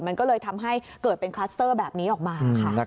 มันก็เลยทำให้เกิดเป็นคลัสเตอร์แบบนี้ออกมาค่ะ